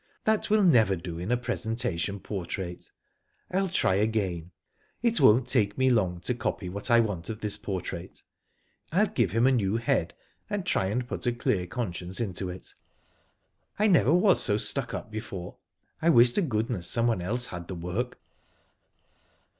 That will never do in a presentation portrait. Til try again. It won't take me long to copy what I want of this portrait, ril give him a new head, and try and put a clear conscience into it. I never was so stuck up before. I 'wish to goodness someone else had the work."